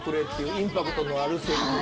インパクトのあるセリフ。